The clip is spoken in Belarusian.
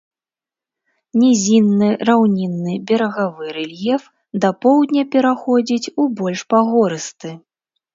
Нізінны раўнінны берагавы рэльеф да поўдня пераходзіць у больш пагорысты.